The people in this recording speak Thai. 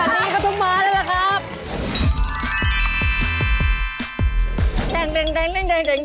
เติบก็แค่นี้เขาถึงมาแล้วหรอครับ